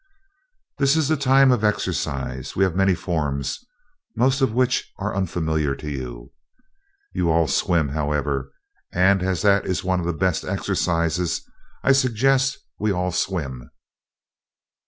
"This is the time of exercise. We have many forms, most of which are unfamiliar to you. You all swim, however, and as that is one of the best of exercises, I suggest that we all swim."